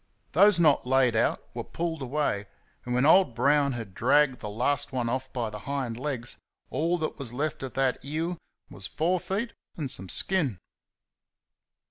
Those not laid out were pulled away, and when old Brown had dragged the last one off by the hind legs, all that was left of that ewe was four feet and some skin.